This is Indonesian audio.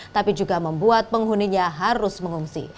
tapi juga membuat penghuninya harus mengungsi